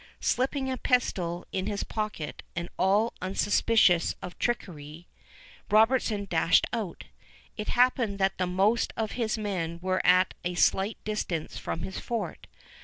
Slipping a pistol in his pocket and all unsuspicious of trickery, Robertson dashed out. It happened that the most of his men were at a slight distance from his fort.